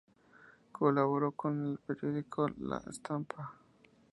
Colaboró con el periódico La Stampa.